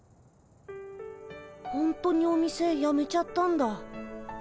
ほんとにお店やめちゃったんだ。